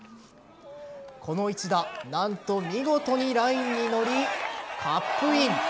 この一打何と見事にラインに乗りカップイン。